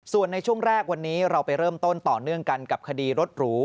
ส่วนในช่วงแรกวันนี้เราไปเริ่มต้นต่อเนื่องกันกับคดีรถหรู